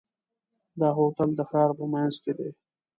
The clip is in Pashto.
دا هوټل د ښار په منځ کې دی.